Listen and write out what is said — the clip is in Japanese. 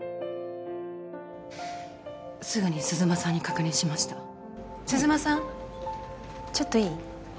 すぐに鈴間さんに確認しました鈴間さんちょっといい？